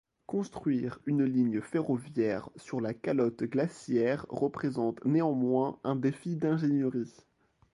Construire une ligne ferroviaire sur la calotte glaciaire représente néanmoins un défi d’ingénierie.